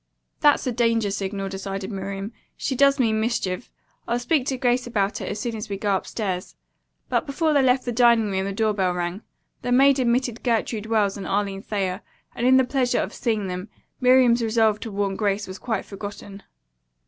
"That's a danger signal," decided Miriam. "She does mean mischief. I'll speak to Grace about it as soon as we go upstairs." But before they left the dining room the door bell rang. The maid admitted Gertrude Wells and Arline Thayer, and in the pleasure of seeing them, Miriam's resolve to warn Grace was quite forgotten.